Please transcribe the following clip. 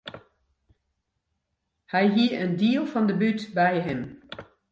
Hy hie in diel fan de bút by him.